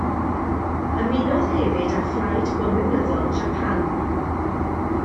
Ymunodd hefyd â Phlaid Gomiwnyddol Japan.